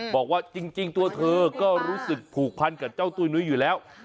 บอกว่าจริงตัวเธอก็รู้สึกผูกพันกับเจ้าตุ้ยนุ้ยอยู่แล้ว